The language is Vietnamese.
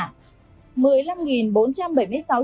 một mươi năm chiếc tên nhãn mát